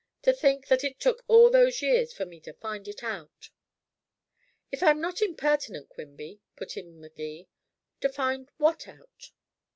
To think that it took all those years for me to find it out." "If I'm not impertinent, Quimby," put in Magee, "to find what out?"